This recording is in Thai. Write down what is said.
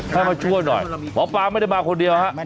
ให้มาช่วยหน่อยหมอปลาไม่ได้มาคนเดียวฮะ